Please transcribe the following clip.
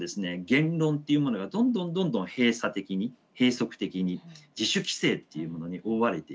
言論っていうものがどんどんどんどん閉鎖的に閉塞的に自主規制っていうものに覆われていく。